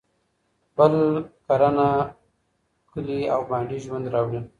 بل کرنه، کلي او بانډې ژوند راوړي.